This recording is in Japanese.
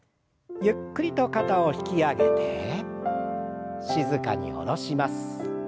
ゆっくりと肩を引き上げて静かに下ろします。